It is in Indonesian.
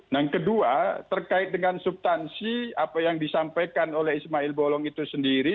yang kedua terkait dengan subtansi apa yang disampaikan oleh ismail bolong itu sendiri